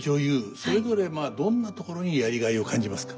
それぞれどんなところにやりがいを感じますか？